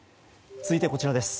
続いてはこちらです。